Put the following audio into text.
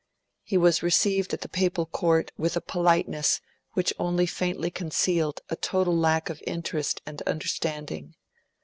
He was received at the Papal Court with a politeness which only faintly concealed a total lack of interest and understanding.